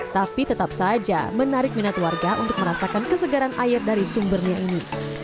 tapi tetap saja menarik minat warga untuk merasakan kesegaran air dari sumbernya ini